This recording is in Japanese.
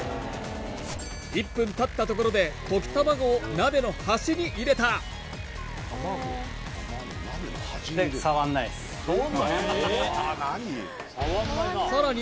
１分たったところで溶き卵を鍋の端に入れたさらに